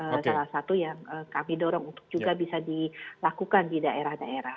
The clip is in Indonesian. ini adalah salah satu yang kami dorong untuk juga bisa dilakukan di daerah daerah